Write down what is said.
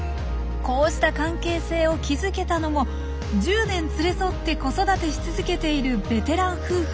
こうした関係性を築けたのも１０年連れ添って子育てし続けているベテラン夫婦だからこそ。